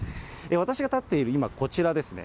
私が立っている今、こちらですね、